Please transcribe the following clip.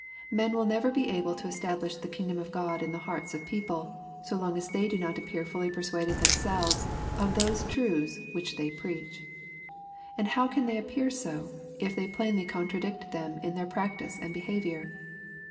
" Men will never be able to establish the kingdom of Gk)d in the hearts of people, so long as they do not appear fully persuaded themselves of those truths which they preach. And how can they appear sa if they plainly contradict them in their practice and behavior